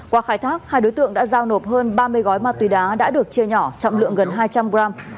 qua khai thác hai đối tượng đã giao nộp hơn ba mươi gói ma túy đá đã được chia nhỏ trọng lượng gần hai trăm linh gram